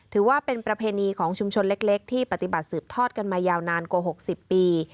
ถือว่าเป็นประเพณีของชุมชนเล็กที่ปฏิบัติสืบทอดกันมายาวนานกว่า๖๐ปี